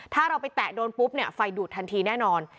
ถ้าเราไปแตะโดนปุ๊บเนี่ยไฟดูดทันทีแน่นอน